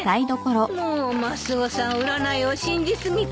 もうマスオさん占いを信じ過ぎちゃって。